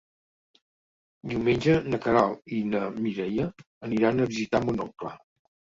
Diumenge na Queralt i na Mireia aniran a visitar mon oncle.